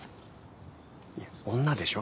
いや女でしょ？